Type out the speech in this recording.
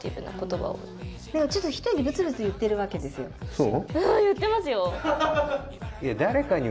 そう？